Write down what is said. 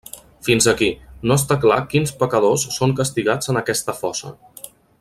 Fins aquí, no està clar quins pecadors són castigats en aquesta fossa.